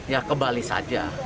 ya ke bali saja